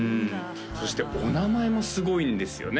そしてお名前もすごいんですよね